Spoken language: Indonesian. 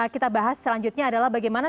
kita bahas selanjutnya adalah bagaimana